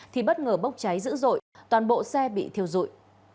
thì bất ngờ bốc cháy dữ dội toàn bộ xe bị thiêu dụi